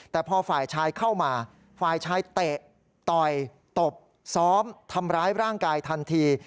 แต่พอฝ่ายชายเข้ามาฝ่ายชายเตะต่อยตบซ้อมทำร้ายร่างกายทันที